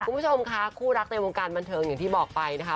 คุณผู้ชมค่ะคู่รักในวงการบันเทิงอย่างที่บอกไปนะคะ